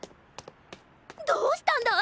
どうしたんだ？